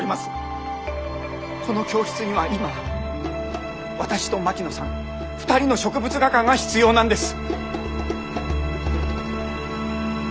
この教室には今私と槙野さん２人の植物画家が必要なんです。